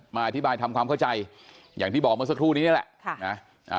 มาอธิบายทำความเข้าใจอย่างที่บอกเมื่อสักครู่นี้นี่แหละค่ะนะ